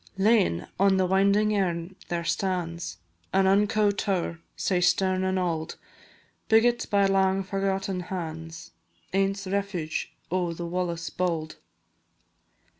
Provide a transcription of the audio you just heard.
Lane, on the winding Earn there stands An unco tow'r, sae stern an' auld, Biggit by lang forgotten hands, Ance refuge o' the Wallace bauld.